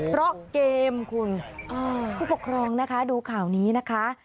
เพราะเกมคุณผู้ปกครองนะคะดูข่าวนี้นะคะ